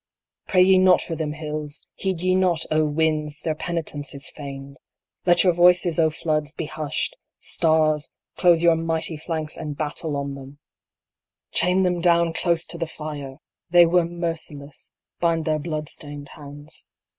Pray ye not for them, hills ! Heed ye not, O winds, their penitence is feigned ! Let your voices, O floods, be hushed ! stars, close your mighty flanks, and battle on them 1 46 BATTLE OF THE STARS. Chain them down close to the fire ! They were merciless, bind their blood stained hands.